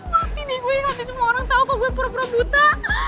mati nih gue gak bisa semua orang tau kok gue pura pura buta